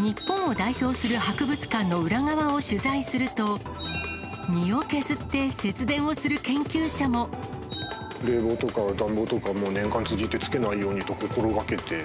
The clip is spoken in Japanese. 日本を代表する博物館の裏側を取材すると、冷房とか暖房とかも、年間通じて、つけないようにと心がけて。